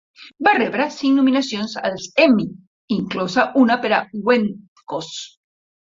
Va rebre cinc nominacions als Emmy, inclosa una per a Wendkos.